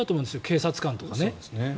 警察官とかね。